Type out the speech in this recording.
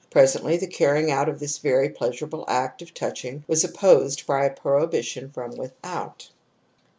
Presently the carrying out of this very pleasurable act of touching was opposed by a prohibition trom without ^®.